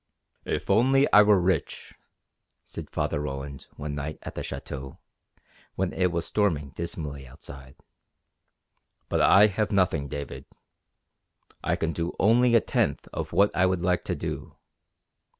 "If I were only rich!" said Father Roland one night at the Château, when it was storming dismally outside. "But I have nothing, David. I can do only a tenth of what I would like to do.